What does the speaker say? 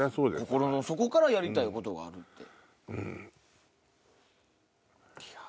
心の底からやりたいことがあるって。